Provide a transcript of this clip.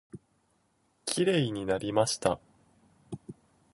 きれいになりました。